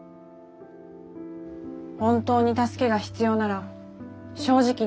本当に助けが必要なら正直に伝えて下さい。